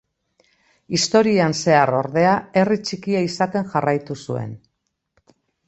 Historian zehar ordea herri txikia izaten jarraitu zuen.